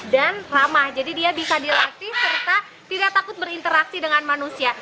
ramah jadi dia bisa dilatih serta tidak takut berinteraksi dengan manusia